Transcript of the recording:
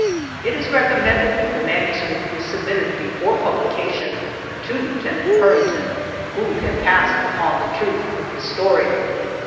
It is recommended that the manuscript be submitted before publication to Lieut. Purington, who can pass upon the truth of the story.